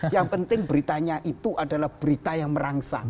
yang penting beritanya itu adalah berita yang merangsang